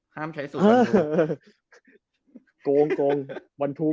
ห้ามใช้สูตรวันทู